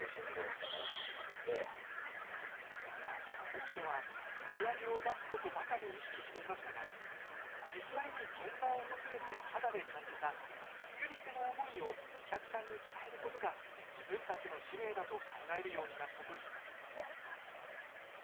当初は売り上げを出すことばかり意識していましたが、実際に現場を訪れて肌で感じた作り手の思いをお客さんに伝えることが自分たちの使命だと考えるようになったといいます。